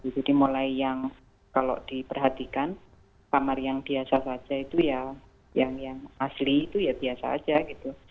jadi mulai yang kalau diperhatikan kamar yang biasa saja itu ya yang asli itu ya biasa saja gitu